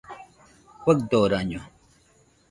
Faɨdoraño